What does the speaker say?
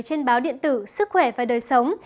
trên báo điện tử sức khỏe và đời sống